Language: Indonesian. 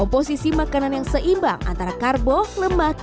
yang pertama komposisi makanan yang seimbang antara karbo lemak dan protein yang tiga